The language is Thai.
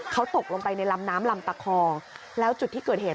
เขาตกลงไปในลำน้ำลำตะคอแล้วจุดที่เกิดเหตุ